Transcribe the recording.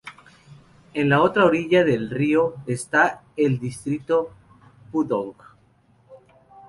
En la otra orilla del río está el distrito Pudong.